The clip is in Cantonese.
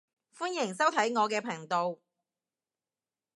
歡迎收睇我嘅頻道